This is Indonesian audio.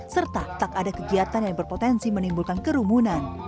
serta tak ada kegiatan yang berpotensi menimbulkan kerumunan